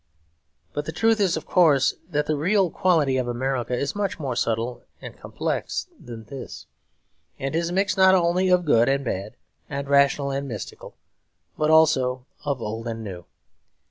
But the truth is, of course, that the real quality of America is much more subtle and complex than this; and is mixed not only of good and bad, and rational and mystical, but also of old and new.